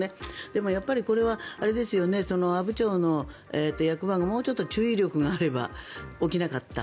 でも、やっぱりこれは阿武町の役場がもうちょっと注意力があれば起きなかった。